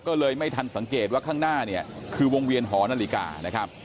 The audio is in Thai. ก็เลยไม่ทันสังเกตว่าข้างหน้าเนี่ยคือวงเวียนหอนาฬิกานะครับ